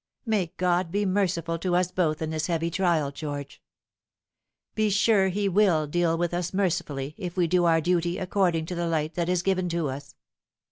May God be merciful to us both in this heavy trial, George ! Be sure He will deal with us mercifully if we do our duty according to the light that is given to us.